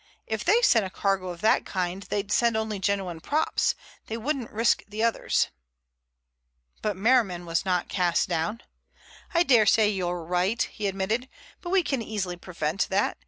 If they sent a cargo of that kind they'd send only genuine props. They wouldn't risk the others." But Merriman was not cast down. "I dare say you're right," he admitted, "but we can easily prevent that.